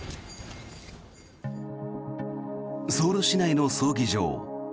ソウル市内の葬儀場。